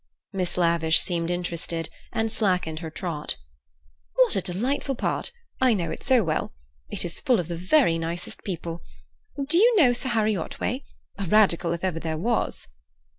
Miss Lavish seemed interested, and slackened her trot. "What a delightful part; I know it so well. It is full of the very nicest people. Do you know Sir Harry Otway—a Radical if ever there was?"